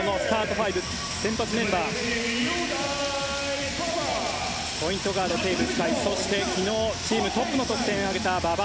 ファイブ先発メンバーポイントガード、テーブス海そして、昨日チームトップの得点を挙げた馬場